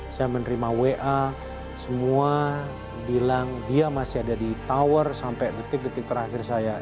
saya menerima wa semua bilang dia masih ada di tower sampai detik detik terakhir saya